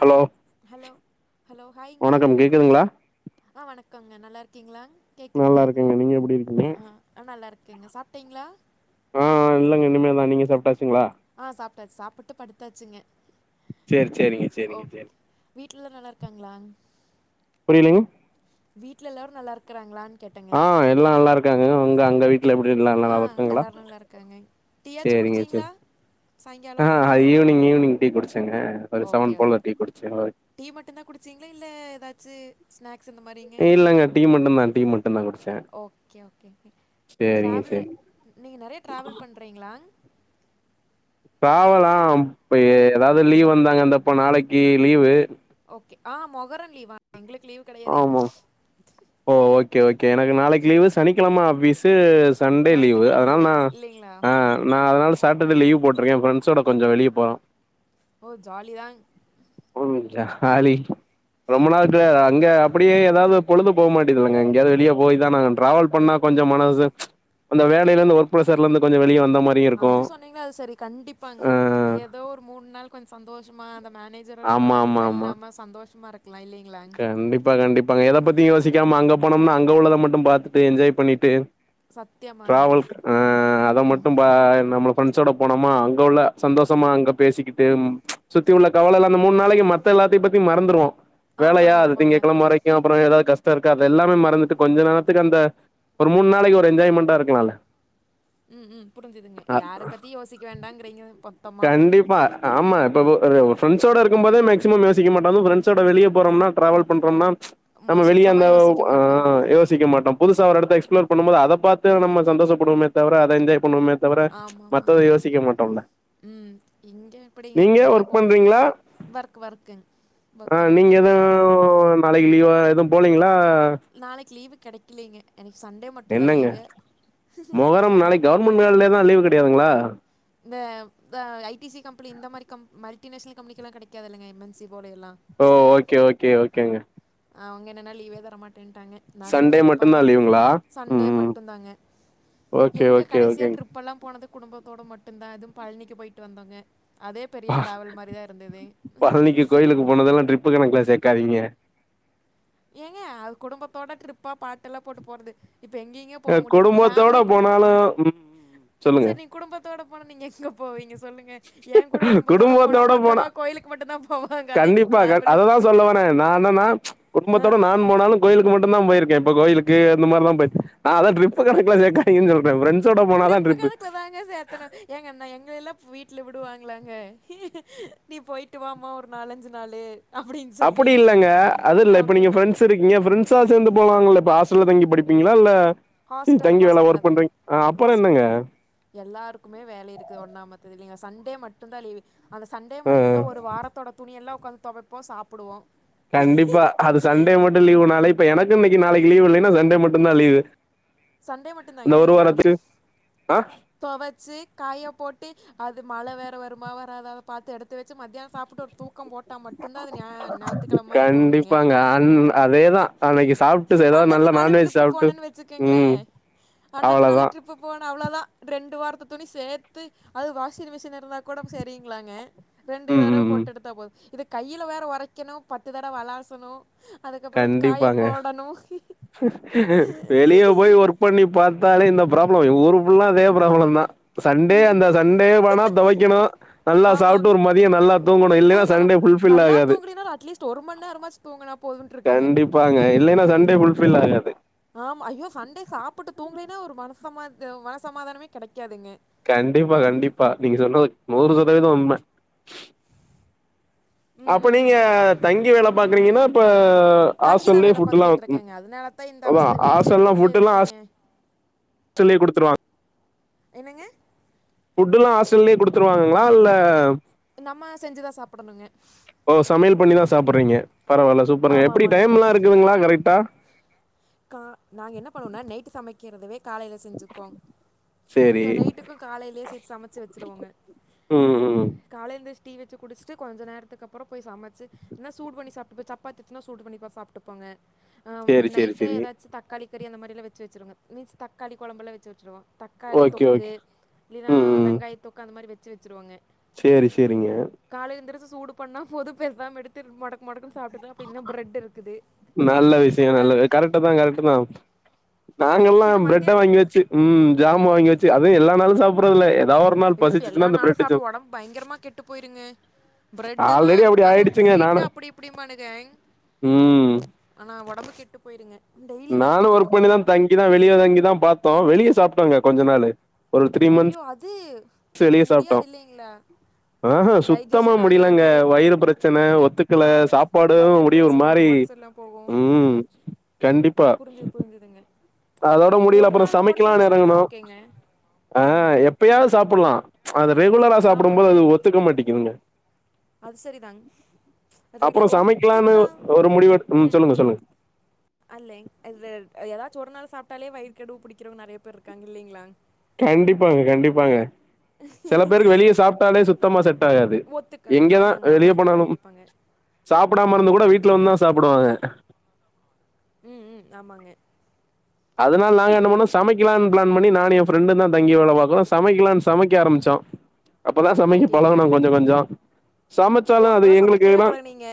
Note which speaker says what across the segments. Speaker 1: Hello
Speaker 2: hello hello ஹாய்ங்க
Speaker 1: வணக்கம் கேக்குதுங்களா
Speaker 2: ஆ வணக்கோங்க நல்லாருக்கீங்களா
Speaker 1: நல்லா இருக்கங்க நீங்க எப்டி இருக்குங்க
Speaker 2: ஆ நல்லா இருக்கேங்க சாப்ட்டீங்களா
Speaker 1: ஆ இல்லங்க இனிமே தா நீங்க சாப்டாச்சுங்களா
Speaker 2: ஆ சாப்ட்டாச்சு சாப்பிட்டு படுத்தாச்சுங்க
Speaker 1: சேர் சேரிங்க சேரிங்க சேரி
Speaker 2: வீட்ல எல்லா நல்லா ருக்காங்களா
Speaker 1: புரிலேங்க
Speaker 2: வீட்ல எல்லாரு நல்லாருக்காறாங்களான்
Speaker 1: ஆ எல்லா நல்லா இருக்காங்கங்க உங்க அங்க வீட்ல எப்டி எல்லா நல்லா இருக்காங்களா
Speaker 2: ஐ டீயாச்சு
Speaker 1: சேரிங்க
Speaker 2: குடிச்சீங்களா
Speaker 1: சேரி ஆ ஹ ஈவ்னிங் ஈவ்னிங் டீ குடிச்சேங்க ஒரு
Speaker 2: ஓகே
Speaker 1: செவன் போல
Speaker 2: ஓகே
Speaker 1: டீ குடுச்சு ஓய்
Speaker 2: டீ மட்டுதா குடிச்சீங்களா இல்ல எதாச்சு ஸ்நாக்ஸ் இந்த மாரிங்
Speaker 1: இல்லங்க டீ மட்டுதா டீ மட்டுதா குடிச்சே சேரிங்க
Speaker 2: ட்ராவல்லு
Speaker 1: சேரி
Speaker 2: நீ நீங்க நெறைய ட்ராவல் பண்றீங்ளா
Speaker 1: டிராவெல்லாம் இப்ப எ எதாது லீவ்வு வந்தாங்க அந்த இப்ப நாளைக்கி லீவு
Speaker 2: ஓகே ஆ மொகரன் லீவா எங்களுக்கு லீவ்
Speaker 1: ஆமாம் ஓ ஓகே ஓகே எனக்கு நாளைக்கு லீவு சனிக்கெழம ஆஃபீஸு சன்டே லீவு
Speaker 2: ஞாயித்துக்கிழம
Speaker 1: அதனால நா
Speaker 2: இல்லைங்களா
Speaker 1: ஆ நா அதனால சாட்டர்டே லீவ்வு போட்ருக்கே ஃப்ரெண்ட்ஸ் ஓட கொஞ்சோ வெளிய போறோ
Speaker 2: ஓ ஜாலிதாங்
Speaker 1: ம் ஜாலி ரொம்ப நாள் கெடையாதாக் இங்க அப்டியே எதாவ்து பொழுது போமாட்டிதுல்லைங்க எங்கயாது வெளிய போய்தான ஆகணு ட்ராவல் பண்ணா கொஞ்சோ மனது அந்த வேலேல இருந்து ஒர்க் ப்ரஷர்ல இருந்து கொஞ்ச வெளிய வந்த மாரி
Speaker 2: அது சொன்னீங்ன்னா அது செரி கண்டிப்பாங்க ஏதோ ஒரு மூண் நாள் கொஞ்ச சந்தோஷமா அந்த மேனே ஜர் ஒரு
Speaker 1: ஆமா ஆமா
Speaker 2: கால்ல
Speaker 1: ஆமா
Speaker 2: இல்லாம சந்தோஷமா இருக்கலா இல்லீங்
Speaker 1: கண்டிப்பா கண்டிப்பாங்க எதபத்தியு யோசிக்காம அங்க போனோம்னா அங்க உள்ளத மட்டு பாத்து ட்டு என்ஜாய் பண்ணிட்டு
Speaker 2: சத்தியமாங்க
Speaker 1: டிராவல் ஆ அத மட்டு பார் நம்ம ஃப்ரெண்ட்ஸோட போனோம்மா அங்க உள்ள சந்தோஷமா அங்க பேசிகிட்டு ம் சுத்தி உள்ள கவலயெல்லா அந்த மூண் நாளைக்கி மற் த்த எல்லாத்தையு பத்தி மறந்துருவோ வேலையா
Speaker 2: ஆமாங்க
Speaker 1: அது
Speaker 2: ஆமாங்க
Speaker 1: திங்ககெழம வரை க்கியு அப்பறோ எதா கஸ்டோ இருக்கா அத எல்லாமே மறந்துட்டு கொஞ்ச நேரத்துக்கு அந்த ஒரு மூண் நாளைக்கி ஒரு என்ஜாய்மெண்டா இருக்கலால
Speaker 2: ம் ம் புரிஞ்சிதுங்க யார பத்தி யோசிக்க வேண்டாங்குறீங்க
Speaker 1: கண்டிப்பா ஆம்மா இப்பப ஒரு ஒரு ஃப்ரெண்ட்ஸோட இருக்குபோதே மேக்சிமம் யோசிக்க மாட்டோ அது ஃப்ரெண்ட்ஸ்ஸோட வெளிய போறோம்னா டிராவல் பண்றோம்னா
Speaker 2: மொ
Speaker 1: நம்ம வெளிய
Speaker 2: சுத்தமா
Speaker 1: அந்த ஓ
Speaker 2: யோசிக்க
Speaker 1: ஆ
Speaker 2: மாட்டோங்
Speaker 1: யோசிக்க மாட்டோம் புதுசா ஒரு எடத்த எக்ஸ்ப்ளோர் பண்ணு போது அத பாத்து நம்ம சந்தோசப்படுவோமே தவர அத என்ஜாய் பண்றோமேத் தவற மத்தத யோசிக்க மாட்டோல்ல
Speaker 2: உம் இங்க எப்டீங்க அப்புடியெல்லா
Speaker 1: ஒர்க்
Speaker 2: போவ முடியு
Speaker 1: பண்றீங்களா
Speaker 2: ஒர்க்கு ஒர்க்குங்க ஒர்க்தா பண்ணிகிட்ருக்கேங்க
Speaker 1: ஓ நாளைக்கு லீவா எதுவு போலீங்ளா
Speaker 2: நாளைக்கி லீவு கெடைக்கலீங்க எனக்கு சண்டே மட்டும்தான்
Speaker 1: என்னங்க
Speaker 2: லீவு
Speaker 1: மொகரம்னாலே
Speaker 2: என்னதான்
Speaker 1: கவர்மெண்ட் ஹாலிடேனா லீவு கெடையாதுங்குளா
Speaker 2: இந்த த ஐ டி சி கம்பனி இந்த மாரி கம்ப் மல்டி நேஷனல் கம்பெனிக்குலா கடைக்காதுல்லைங்க எம் என் சி போர்டு எல்லா
Speaker 1: ஓ ஓகே ஓகே ஓகேங்க
Speaker 2: அவுங்க என்னன்னா லீவே தரமாட் ட்டாங்க நாங்களு
Speaker 1: சண்டே
Speaker 2: கேட்டு பாத்தோ
Speaker 1: மட்டுந்தா லீவுங்களா
Speaker 2: சண்டே
Speaker 1: ம் ம்
Speaker 2: மட்டுந்தாங்க
Speaker 1: ஓகே
Speaker 2: எங்க
Speaker 1: ஓகே
Speaker 2: கடைசியா ட்ரிப்
Speaker 1: ஓகேங்க
Speaker 2: ட்ரிப்பெல்லா போனது குடும்பத்தோடு மட்டுந்தா அதுவு பழனிக்கு போய்ட்டு வந்தோங்க அதே பெரிய
Speaker 1: பா
Speaker 2: ட்ராவல் மாரிதா இருந்துது
Speaker 1: பழனிக்கு கோயிலுக்கு போனதெல்லா ட்ரிப் தப்பு கணக்குல சேக்காதீங்க
Speaker 2: ஏங்க அது குடும்பத்தோட ட்ரிப்பா பாட்டு எல்லா போட்டு போறது இப்ப எங்கங்க போக முடியுது ஃபேமிலிய கூட்
Speaker 1: ஹலோ உம்
Speaker 2: செரி நீங்க குடும்பத்தோட போன நீங்க எங்க போவீங்க சொல்லுங்க ஏ கூட குடும்பத்தோட போனா மொத்தமா கோயிலுக்கு மட்டுந்தா போவாங்க அதா எங்குளுக்கு ட்ராவலே
Speaker 1: அதா சொல்ல வர நா என்னனா குடும்பத்தோட நா போணாலு கோயிலுக்கு மட்டுந்தா போயிருக்கே இப்ப கோயிலுக்கு அந்த மாரிலா போயிருக்கே அதா ட்ரிப் கணக்குல சேக்காதீங்கனு சொல்றே ஃப்ரெண்ட்ஸ் ப்ரெண்ஸோட போனாதா ட்ரிப்பு
Speaker 2: இத்தன ஏங்க நா எங்க எல்லா வீட்ல விடுவாங்களாங்க நீ போயிட் போய்ட்டுவாமா ஒரு நாலஞ்சு நாளு அப்டின்னு சொல்லி.
Speaker 1: அப்புடி இல்லைங்க அது
Speaker 2: ஆ
Speaker 1: இல்ல இப்ப நீங்க
Speaker 2: ஓகேங்க.
Speaker 1: ஃபிரெண்ட்ஸ் செரி இருக்கீங்க ஃப்ரெண்ட்ஸா சேந்து போலாங்கல்ல இப்ப ஹாஸ்டல்ல தங்கி படிப்பீங்களா இல்ல செரி
Speaker 2: ஹாஸ்டல்ல
Speaker 1: தங்கி வேல
Speaker 2: ஹாஸ்டல்ல
Speaker 1: ஒர்க்
Speaker 2: தாங்க.
Speaker 1: பண்றீங்க அப்பறோ
Speaker 2: ஹாஸ்டல்.
Speaker 1: என்னங்க
Speaker 2: எல்லாருக்குமே வேலை இருக்குது ஒண்ணாமத்தது இல்லைங்க சண்டே மட்டுந்தா லீவு அந்த சண்டே
Speaker 1: அ அ.
Speaker 2: மட்டுந்தா ஒரு வாரத்தோடு துணி எல்லா ஒக்காந்து தொவைப்போ சாப்புடுவோ
Speaker 1: கண்டிப்பா அது மட்டும் லீவுனாலே இப்ப எனக்கு இன்னைக்கு நாளைக்கு லீவ் இல்லன்னா சண்டே மட்டுந்தா லீவு
Speaker 2: சண்டே மட்டும்
Speaker 1: அந்த ஒரு வாரத்து [unintelligible] அ
Speaker 2: தொவச்சு காய போட்டு அது மழ வேற வருமா வராதா அத பாத்து எடுத்து வெச்சு மத்தியானோ சாப்ட்டு தூக்கம் போட்டா மட்டுந்தா அது ஞ ஞாயித்துக்கெழம மாதிரி போகுங்க
Speaker 1: கா அண்ணன அதே தா அன்னைக்கி சாப்ட்டு அதாவது
Speaker 2: அன்னத்து
Speaker 1: நல்லா
Speaker 2: நாள்
Speaker 1: நான்வெஜ்
Speaker 2: ட்ரிப்பு
Speaker 1: சாப்ட்டு
Speaker 2: போனேன்னு
Speaker 1: ம்
Speaker 2: வச்சுக்கோங்களேன் அன்னத்து
Speaker 1: அவ்வளோதா
Speaker 2: நாள் ட்ரிப்பு போனா அவ்வளோதா ரெண்டு வாரத்த துணி சேத்து அது வாஷிங் மிஷின் இருந்தா கூட செரியுங்களாங்க ரெண்டு
Speaker 1: ம்
Speaker 2: தடவ
Speaker 1: ம் ம்
Speaker 2: போட்டு எடுத்தா போது இது கையில வேற ஒரைக்கணு பத்து தரவ அலாசனு அதுக்கப்புறோ
Speaker 1: ப்பாங்க வெளியே போயி ஒரு ட்ரிப் பண்ணி பாத்தாலே இந்த ப்ராப்ளம் ஊரு ஃபுல்லா அதே ப்ராப்ளம்தா சண்டே அந்த சண்டே போனா தொவைக்கணோ நல்லா சாப்ட்டு
Speaker 2: ஆமாங்க
Speaker 1: ஒரு மதியோ நல்லா தூங்கணோ இல்லன்னா
Speaker 2: தூங்கணும்
Speaker 1: சண்டே ஃபுல் ஃபில்
Speaker 2: நல்லா
Speaker 1: ஆகாது
Speaker 2: தூங்கலைன்னா அட்லீஸ்ட் ஒரு மணி நேரமாச்சு தூங்கனா போதுன்ட்ருக்குங்க
Speaker 1: இருப்பாங்க இல்லன்னா சண்டே ஃபுல் ஃபில் ஆகாது
Speaker 2: ஆமா ஐயோ சன்டே சாப்பிட்டு தூங்கலேனா ஒரு மனசமாத் மனசமாதானமே கெடைக்காதுங்க
Speaker 1: கண்டிப்பா கண்டிப்பா நீங்க சொன்னது நூறு சதவீதொ உண்ம
Speaker 2: ம்
Speaker 1: அப்ப நீங்க தங்கி வேல பாக்றீங்கனா அப்ப
Speaker 2: தங்கி தான்
Speaker 1: ஹாஸ்டல்லயே
Speaker 2: வேலை
Speaker 1: ஃபுட்‌லா
Speaker 2: பார்த்துக்கிட்டு
Speaker 1: ஓக் க்
Speaker 2: இருக்கேங்க அதனால தான் இந்த
Speaker 1: அதா
Speaker 2: அவஸ்தை வீட்டில்
Speaker 1: ஹாஸ்டல்ல
Speaker 2: இருந்திருந்தே
Speaker 1: ஃபுட்லா ஹாஸ்
Speaker 2: எதுக்குங்க
Speaker 1: யே குடுத்துருவாங்
Speaker 2: என்னங்க
Speaker 1: ஃபுட்டு்லா ஹாஸ்டல்லயே குடுத்துருவாங்ளா இல்ல
Speaker 2: நம்ம செஞ்சுதா சாப்படணுங்க
Speaker 1: ஓ சமையல் பண்ணிதா சாப்பட்றீங்க பரவாயில்ல சூப்பருங்க
Speaker 2: ஆமாம்
Speaker 1: எப்டி
Speaker 2: ஆமாங்க
Speaker 1: டைம்லா இருக்குதுங்ளா கரெக்டா
Speaker 2: கா நாங்க என்ன பண்ணுவோனா நைட்டு சமைக்கிறதவே காலைல செஞ்சுக்கோ க
Speaker 1: சேரி
Speaker 2: நைட்டுக்கு காலையிலேயே சேத்து சமைச்சு வெச்சுருவோங்க
Speaker 1: ம் ம்
Speaker 2: காலைல எந்திச் டீ வெச்சு குடிச்ட்டு கொஞ்ச நேரத்துக்குப்பறொ போய் சமைச்சு என்னா சூடு பண்ணி சாப்பிட்டுப்ப சப்பாத்தி இன்ச்சுனா சூடு பண்ணி ப சாப்ட்டுப்பங்க ஆ
Speaker 1: சேரி சேரி
Speaker 2: நைட்
Speaker 1: சேரி
Speaker 2: ச்ச தக்காளி கறி அந்த மாரிலா வச்சு வச்சருங்க மீன்ஸ் தக்காளி கொழம்பெல்லா வச்சு வெச்சிருவோ தக்காளி
Speaker 1: ஓகே
Speaker 2: தொக்கு
Speaker 1: ஓகே
Speaker 2: இல்லினா
Speaker 1: ம் ம்
Speaker 2: வெங்காய தொக்கு அந்த மாரி வெச்சு வெச்சுருவோங்க
Speaker 1: சேரி செரிங்க
Speaker 2: காலைல எந்திரிச்சு சூடு பண்ணா போது பேசாம எடுத்து மொடக்க மொடக்குனு சாப்
Speaker 1: நல்ல
Speaker 2: டீ
Speaker 1: விஷயொ
Speaker 2: கூட அது
Speaker 1: நல்லது கரெக்ட்தா கரெக்ட்தா நாங்கல்லா
Speaker 2: பின்ன
Speaker 1: ப்ரெட்ட
Speaker 2: மத்தியானம்
Speaker 1: வாங்கி வெச்சு ம் ஜாமு வாங்கி வெச்சு அதுவு எல்லா நாளு சாப்டு ப்புறதுல ஏதா ஒரு நாள் பசிச்சுனா அந்த ப்ரெட் ஜாம்
Speaker 2: பயங்கரமா கெட்டு போயிருங்க ப்ரெட்டு வா
Speaker 1: ஆல்ரெடி அப்டி
Speaker 2: அது
Speaker 1: ஆயிடுச்சுங்க
Speaker 2: வீட்
Speaker 1: நானு
Speaker 2: அப்டி இப்டிம்பானுக
Speaker 1: ம்
Speaker 2: ஆனா ஒடம்பு கெட்டு போயிருங்க டெய்லியெல்லா
Speaker 1: நானு
Speaker 2: சாப்ட
Speaker 1: ஒர்க் பண்ணிதா
Speaker 2: முடியாதுங்
Speaker 1: தங்கிதா வெளிய தங்கி தா பாத்தோ வெளிய சாப்டோங்க கொஞ்ச நாளு ஒரு த்ரீ
Speaker 2: ஐயோ
Speaker 1: மந்த்ஸ்
Speaker 2: அது முடியாதில்லிங்ளா
Speaker 1: ஆ ஹா சுத்தமா முடியலங்க வயிறு பிரச்சனை ஒத்துக்கல
Speaker 2: ஆ
Speaker 1: சாப்பாடு முடிய ஒரு மாரி
Speaker 2: ஓ
Speaker 1: ம் கண்டிப்பா
Speaker 2: ங்குதுங்க
Speaker 1: அதோட முடில அப்பறொ சமைக்கலா எறங்னோ
Speaker 2: ஓகேங்க
Speaker 1: ஆ எப் எப்பயாவது சாப்புல்லா அதை ரெகுலரா சாப்டும் போது
Speaker 2: ஆமாங்க
Speaker 1: அது ஒத்துக்க மாட்டிக்குதுங்க
Speaker 2: அது சரிதாங் ரெகுல
Speaker 1: அப்பறொ சமைக்லான்னு
Speaker 2: ஒத்திக்கா
Speaker 1: ஒரு முடிவு எடுத் ம் சொல்லுங்க சொல்லுங்க
Speaker 2: அல்லே அது ஏதாச்சு ஒரு நாள் சாப்ட்டாலே வயிறு கெடுவு புடிக்கிறவங்க நறைய பேர் இருக்காங்க இல்லைங்ளா
Speaker 1: கண்டிப்பாங்க கண்டிப்பாங்க செல பேருக்கு வெளிய சாப்ட்டாலே சுத்தமா செட் ஆகாது
Speaker 2: ஒத்துக்காது
Speaker 1: எங்கதா
Speaker 2: ஆமாங்க
Speaker 1: வெளிய
Speaker 2: ஆமாங்க
Speaker 1: போனாலும்
Speaker 2: கண்டிப்பாங்க
Speaker 1: சாப்டாம இருந்து கூட வீட்ல வந்துதா சாப்டுவாங்க
Speaker 2: ம் ம் ஆமாங்க
Speaker 1: அதனால நாங்க என்ன பண்ணோ சமைக்கிலான் பிளான் பண்ணி நானு எ ஃப்ரெண்டுதா தங்கி வேல பாக்குறோ சமைக்கலான் சமைக்க ஆரம்பிச்சோ அப்பதா சமைக்க பழகுனோ
Speaker 2: ஓகேங்க
Speaker 1: கொஞ்ச கொஞ்சொ
Speaker 2: ஓ
Speaker 1: சமைச்சாலு அது
Speaker 2: அப்பதான் சமைக்கவே
Speaker 1: எங்ளுக்குதா
Speaker 2: பழகுனீங்க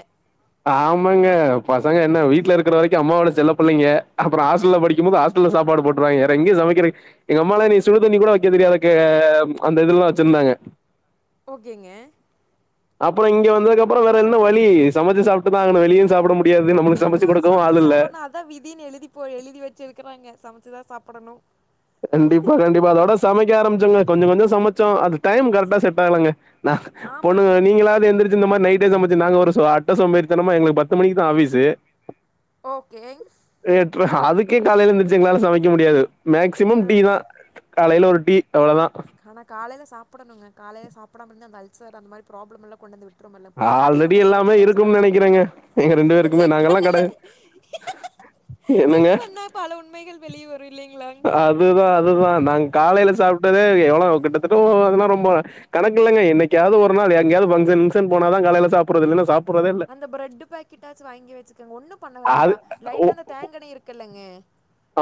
Speaker 1: ஆமாங்க பசங்க என்ன வீட்ல இருக்கற வரைக்கு அம்மாவோட செல்ல புள்ளைங்க அப்பறொ ஹாஸ்டல்ல படி க்கிமோது ஹாஸ்டல்ல சாப்பாடு போட்ருவாங்க வேற எங்க சமைக்கிற எங்க அம்மாலா எனக் சுடுதண்ணி கூட வெக்க தெரியாததுக்கு அந்த இதுலதா வெச்சிருந்தாங்க
Speaker 2: ஓகேங்க
Speaker 1: அப்பறொ இங்க வந்ததுக்கப்றொ வேறென்ன வழி சமைச்ச சாப்ட்டுதா ஆகனு வெளியு சாப்ட முடி முடியாது நம்மளுக்கு சமச்சு கொடுக்கவு அள் இல்ல
Speaker 2: அதா விதின்னு எழுதி போ எழுதி வெச்சுருக்குறாங்க சமச்சுதா சாப்புடணு
Speaker 1: கண்டிப்பா கண்டிப்பா அதோட சமக்க ஆரம்பிச்சுங்க கொஞ்ச கொஞ்ச சமச்சோ அது டைம் கரெக்டா செட் ஆகளாங்க நா
Speaker 2: ஆமாங்க
Speaker 1: பொண்ணுங்க நீங்களாது எந்திரச்சு இந்த மாரி நைட்டே சமச்சு நாங்க ஒரு ஸ்வா டா சோம்பேரித்தனமா எங்களுக்கு பத்து மணிக்கு தா ஆஃபீசு
Speaker 2: ஓகே
Speaker 1: ஏட்ரா அதுக்கே காலையில இருந்துச்சு எங்களால சமைக்க முடியாது மேக்சிமம்
Speaker 2: ஆ
Speaker 1: டீ தா காலையில ஒரு டீ அவ்ளதா
Speaker 2: ஆனா காலைல சாப்பிடணுங்க காலே சாப்டாம இரு அந்த அல்சர் அந்த மாரி ப்ராப்ளம் எல்லா கொண்டு வந்து விட் ருமல்ல பின்னாடி
Speaker 1: ஆல்ரெடி
Speaker 2: நமக்கு
Speaker 1: எல்லாமே
Speaker 2: ஏதாச்சு பிரச்சன
Speaker 1: இருக்கும்னு நினைக்கிறேங்க எங்க ரெண்டு பேருக்குமே
Speaker 2: செக்
Speaker 1: நாங்கெல்லாம்
Speaker 2: பண்ணல
Speaker 1: கடை என்னங்க
Speaker 2: செக் பண்ணா பல உண்மைகள் வெளியே வரு இல்லைங்களா
Speaker 1: அதுதா அதுதா நாங்க காலையில சாப்ட்டதே எவ்ளோவு கிட்டத்தட்டு அதெல்லா ரொம்ப கணக்கு இல்லங்க என்னைக்காவது ஒரு நாள் எங்கயாவது ஃபங்க்ஷன் கிங்க்ஷன் போன தா காலைல சாப்புறதுற இல்லன்னா சாப்
Speaker 2: அந்த பிரெட்டு பாக்கெட்டாச்சு வாங்கி வெச்சுக்கங்க ஒன்னு பண்ண
Speaker 1: அது
Speaker 2: வேண்டா
Speaker 1: ஓ
Speaker 2: லைட்டா அந்த தேங்கண்ண இருக்குல்லங்க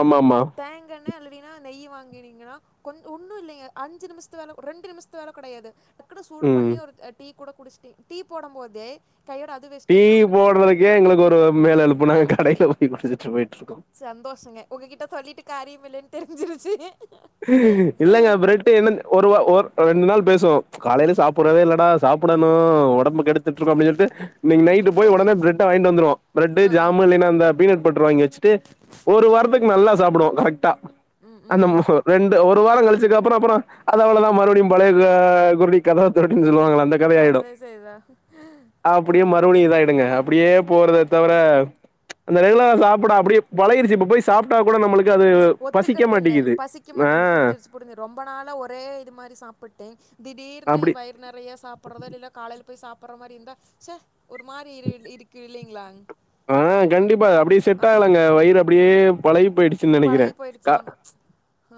Speaker 1: ஆமா ஆமா
Speaker 2: தேங்கண்ண அல்லதினா நெய் வாங்கினீங்கன்னா கொஞ் ஒன்னு இல்லைங்க அஞ்சு நிமிஷத்து வேல ரெண்டு நிமிஷத்து வேல கெடையாது டக்குனு சூடு
Speaker 1: ம்
Speaker 2: பண்ணி ஒரு அ டீ கூட குடிச்டு டீ போடும் போதே கையோட அ
Speaker 1: டீ போடுதுக்கே எங்களுக்கு ஒரு மேல் அழுப்பு நாங்க கடைல போய் குடிச்சிட்டு போயிட்டு இருக்கோ
Speaker 2: சந்தோஷங்க உங்ககிட்ட சொல்லிட்டு காரியம் இல்லன்னு தெரிஞ்சிருச்சி
Speaker 1: இல்லங்க பிரெட் என்ன ஒரு வ ஒரு ரெண்டு நாள் பேசுவோ காலையில சாப்புடவே இல்லடா சாப்புடணு ஒடம்பு கெடுத்துட்டு இருக்கோ அப்டி சொல்ட்டு இன்னைக்கு
Speaker 2: ம்
Speaker 1: நைட்டு
Speaker 2: ம்
Speaker 1: போய்
Speaker 2: புரிஞ்சுது
Speaker 1: ஒடனே பிரெட்ட வாங்கிட்டு வந்துருவோ பிரெட்டு
Speaker 2: ஆ ஆ
Speaker 1: ஜாமு இல்லைன்னா அந்த பீனட் பட்டர் வாங்கி வெச்சு டு ஒரு வாரத்துக்கு நல்லா சாப்புடுவோ கரெக்டா
Speaker 2: ம் ம்
Speaker 1: அந்த
Speaker 2: ம்
Speaker 1: [unintelligible] இந்த ஒரு வார கழிச்சதுக்கு அப்புற அப்புற அது அவ்ளோதா மறுபடியு பழைய கா குருடி கதவ தறடின் சொல்லுவாங்க அந்த கத ஆயிடு
Speaker 2: அதே செய்தா ஆ
Speaker 1: அப்டியே மறுபடியு இது ஆயிடுங்க அப்டியே போறத தவிர அந்த ரெகுலர்ல சாப்ட அப்டியே பழகிறிச்சி இப்ப போய் சாப்ட்டா கூட நம்மளுக்கு அது பசிக்க மாட்டேங்கிது
Speaker 2: நிக்க மாட்டேங்குது புரிஞ்சிருச்சி புரிஞ்சு ரொம்ப நாளா ஒரே இது மாரி சாப்பிட்டு திடீர்னு
Speaker 1: அப்டி
Speaker 2: வயறு நறைய சாப்படுறதால் இல்ல காலையில போய் சாப்புற மாரி இருந்தா செ ஒரு மாரி இ இருக்கு இல்லைங்களா
Speaker 1: ஆ கண்டிப்பா அப்டி செட்
Speaker 2: ஆமாங்க
Speaker 1: ஆகலாங்க வயிறு அப்டியே பழகி போயிடு
Speaker 2: பழகி போயிடுச்சாம் ஆ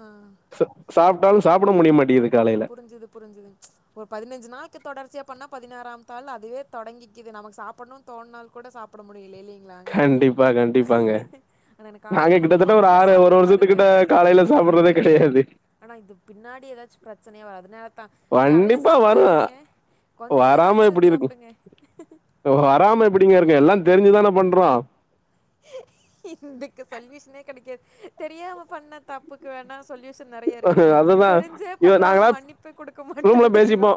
Speaker 1: ச சாப்ட்டாலு சாப்ட முடிய மாட்டேங்கிது காலை
Speaker 2: புரிஞ்சுது புரிஞ்சுது ஒரு பதினஞ்சி நாள்க்கு தொடர்ச்சியா பண்ணா பதினாறாம் தாள்ல அதுவே தொடங்கிக்கிது நமக்கு சாப்படணு தோன்னால் கூட சாப்பட முடியல இல்லிங் லாங்
Speaker 1: கண்டிப்பா கண்டிப்பாங்க
Speaker 2: அதான காலையில மட்டு கொஞ்ச சாப்ட்டு பாருங்க
Speaker 1: காலையில சாப்பறதே கெடையாது
Speaker 2: ஆனா இது பின்னாடி ஏதாச்சு பிரச்சனயா வராதுனா நா நெறைய
Speaker 1: கண்டிப்பா வரு
Speaker 2: சாப்டாதீங்க கொஞ்ச
Speaker 1: வராம
Speaker 2: ஏதாச்சு
Speaker 1: எப்டி இருக்கு
Speaker 2: சாப்பிடுங்க
Speaker 1: வராம எப்படிங்க இருக்கு எல்லா தெரிஞ்சிதானே பண்றோ
Speaker 2: இதுக்கு சொல்யூஷனே கெடைக்காது தெரியாம பண்ண தப் தப்புக்கு வேணா சொல்யூஷன் நறைய இருக்குங்க
Speaker 1: அதுதா
Speaker 2: தெரிஞ்சே
Speaker 1: இவ
Speaker 2: பண்றதால
Speaker 1: நாங்களா
Speaker 2: மன்னிப்பே குடுக்க மாட்டா
Speaker 1: ரூம்ல
Speaker 2: தெய்வோ
Speaker 1: பேசிப்போ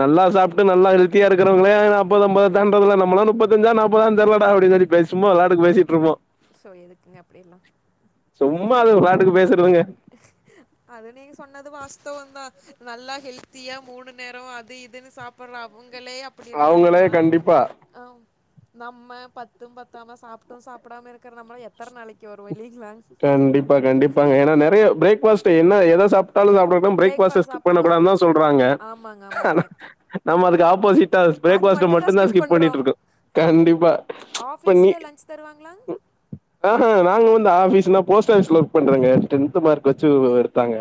Speaker 1: நல்லா சாப்ட்டு நல்லா ஹெல்த்தியா இருக்கறவங்களே நாப்பது அம்பது தாண்ட்றதுல்ல நம்மலாம் நுப்பத்தஞ்சா நாப்பதா தெர்லடா அப்புடின்னு சொல்லி பேஸ் சும்மா விளாட்டுக்கு பேசிட்ருப்போம்
Speaker 2: சோ எதுக்குங்க அப்புடி எல்லா
Speaker 1: உ பாட்டுக்கு பேசு சொல்லுங்க
Speaker 2: அது நீங்க சொன்னது வாஸ்துவோந்தா நல்லா ஹெல்த்தியா மூணு நேரோ அது இதுன்னு சாப் அப்புறன்னா புங்கலே அப்
Speaker 1: அவுங்களே கண்டிப்பா
Speaker 2: ஆம் நம்ம பத்தும் பத்தாம சாப்ட்டும் சாப்புடாம இருக்கிற நம்மல்லா எத்தன நாளைக்கி வருவோ இல்லைங்களா
Speaker 1: கண்டிப்பா கண்டிப்பாங்க ஏன்னா நெறையா பிரேக் ஃபாஸ்ட் என்ன எத சாப்ட்டாலும் சாப்ட லும் பிரேக் ஃபாஸ்ட்ட
Speaker 2: பிரேக்ஃபாஸ்ட்
Speaker 1: ஸ்கிப் பண்ண
Speaker 2: சாப்பிட்ணுங்க
Speaker 1: கூடாது தான் சொல்றாங்க
Speaker 2: ஆமாங்க
Speaker 1: ஆனா
Speaker 2: ஆமாங்க
Speaker 1: நம்ம அதுக்கு ஆப்போசிட் ட்டா
Speaker 2: அது
Speaker 1: பிரேக்ஃபாஸ்ட்
Speaker 2: மட்டும்தான்
Speaker 1: மட்டுந்தா ஸ்கிப்
Speaker 2: பண்ணுறோம்
Speaker 1: பண்ணிட்ருக்கோ கண்டிப்பா இப்ப நீ
Speaker 2: ஆஃபீஸில் லஞ்ச் தருவாங்களாங்க
Speaker 1: ம் ஆ ஆ நாங்க வந்து ஆபீஸ்ன்னா போஸ்ட் ஆஃபீஸ்ல ஒர்க் பண்றங்க டென்த் மார்க் வச்சி எடுத்தாங்க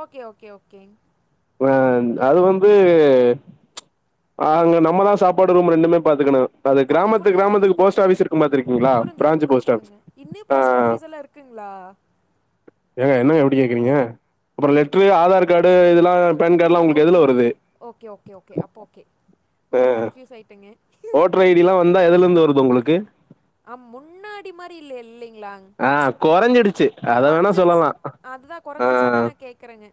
Speaker 2: ஓகே ஓகே ஓகே
Speaker 1: வேன் அது வந்து அ அங்க நம்மதான் சாப்பாடு ரூம் ரெண்டுமே பாத்துக்கணும் அது
Speaker 2: புரிஞ்சு
Speaker 1: கிராமத்துக்கு
Speaker 2: புரிஞ்சுது
Speaker 1: கிராமத்துக்கு
Speaker 2: புரிஞ்சுதுங்க
Speaker 1: போஸ்ட் ஆஃபீஸ் இருக்கும் பாத்துருக்கீங்களா
Speaker 2: புரிஞ்சுதுங்க
Speaker 1: பிரான்ச் போஸ்ட் ஆஃபீஸ் ஆ
Speaker 2: க்குங்களா
Speaker 1: ஏங்க என்னங்க இப்டி கேக்குறீங்க அப்பறோ லெட்ரு ஆதார் கார்டு இதெல்லாம் பேன்
Speaker 2: ஆ
Speaker 1: கார்டுலாம் உங்களுக்கு
Speaker 2: ஓகே
Speaker 1: எதுல
Speaker 2: ஓகே
Speaker 1: வருது
Speaker 2: ஓகே ஓகே ஓகே அப்போ ஓகே கொஞ்ச கன்ஃப்யூஸ் ஆயிட்டேங்கே
Speaker 1: ஓட்ரு ஐ டிலாம் வந்தா எதலந்து வருது உங்குளுக்கு
Speaker 2: அ முன்னாடி மாரி இல்லே இல்லைங்களாங்
Speaker 1: ஆ கொறைஞ்சிடுச்சு அத வேணா சொல்லலா
Speaker 2: அதுதான்
Speaker 1: ஆ
Speaker 2: குறைஞ்சிருச்சு அதான் நான் கேட்குறேங்க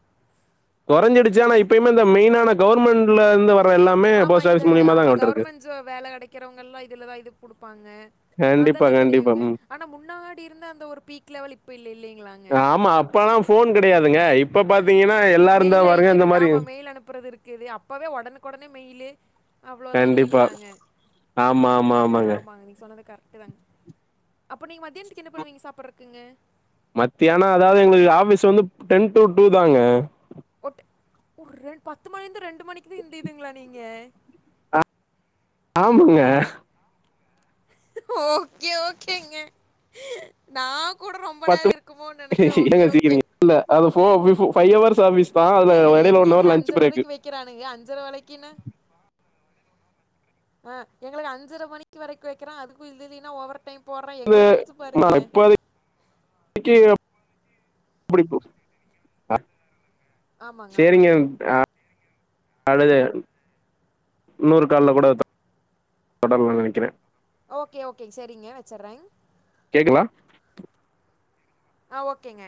Speaker 1: கொறஞ்சிடுச்சு ஆனா இப்பயுமே இந்த மெய்னான கவர்மெண்ட்ல இருந்து வர்ர எல்லாமே போஸ்ட் ஆஃபிஸ் மூலியமா தாங்க வந்ட்ருக்கு
Speaker 2: ஞ்சோ வேல கடைக்கிறவங்கல்லா இது இல்லதா இதுக் குடுப்பாங்க
Speaker 1: கண்டிப்பா
Speaker 2: அதெல்லா
Speaker 1: கண்டிப்பா
Speaker 2: தெரியுங்க
Speaker 1: ம்
Speaker 2: ஆனா முன்னாடி இருந்த அந்த ஒரு பீக் லெவல் இப்ப இல்ல இல்லைங்களாங்க
Speaker 1: ப்பல்லா ஃபோன் கிடையாதுங்க இப் ப்ப பாத்தீங்கன்னா எல்
Speaker 2: மெயில் அழிக்கிறது ஆமா மெயில் அனுப்புறது இருக்குது அப்பவே ஒடனுக்கு ஒடனே மெயிலு அவ்ளோதா
Speaker 1: கண்டிப்பா
Speaker 2: இல்லிங்களாங்க
Speaker 1: ஆமா ஆமா
Speaker 2: ஆமாங்க நீங்க சொன்னது கரெக்ட்டு தாங்க அப்ப நீங்க மத்தியானத்துக்கு என்ன பண்ணுவீங்க சாப்புட்றக்குங்க
Speaker 1: மத்தியானோ அதாவது எங்களுக்கு ஆஃபீஸ் வந்து டென் டு டூ தாங்க
Speaker 2: ஓட்ட ஒரு ரெ பத்து மணிந்து ரெண்டு மணிக்கு தான் இந்த இதுங்களா நீங்க
Speaker 1: ஆமாங்க
Speaker 2: ஓகே ஓகேங்க நா கூட ரொம்ப
Speaker 1: பத்து
Speaker 2: நேரம் இருக்குமோன் நெனைச்சே
Speaker 1: ஏங்க
Speaker 2: ஓகே ஓகே
Speaker 1: சிரிக்கிறீங்க இல்ல அது ஃபே பி ஃபே ஃபைவ் ஹவர்ஸ் ஆஃபீஸ் தா அதுல எடைல ஒன் ஹவர் லன்ச் பிரேக்கு
Speaker 2: க்கிறானுங்க அஞ்சரை வலைக்கின்னு ஆ எங்களுக்கு அஞ்சரை மணிக்கு வரைக்கும் வைக்கிறான் அதுக்கு இது இல்லைன்னா ஓவர் டைம் போட்றா எங்கள நெனச்சு பாருங்க
Speaker 1: இட்டு அப் [unintelligible] ஆ
Speaker 2: ஆமாங்க
Speaker 1: சேரிங்க
Speaker 2: ஆமாங்க
Speaker 1: ஆ அழக இன்னொரு கால்ல கூட தொடர்லான் நனைக்கிற
Speaker 2: ஓகே ஓகேங்க சேரிங்க வச்சர்றே
Speaker 1: கேக்குதா
Speaker 2: ஆ ஓகேங்க